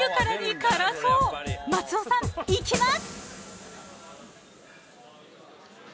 ［松尾さんいきます！］